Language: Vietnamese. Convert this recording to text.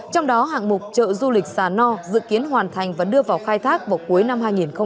trong đó hạng mục chợ du lịch xà no dự kiến hoàn thành và đưa vào khai thác vào cuối năm hai nghìn hai mươi